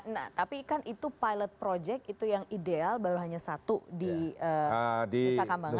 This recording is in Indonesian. nah tapi kan itu pilot project itu yang ideal baru hanya satu di nusa kambangan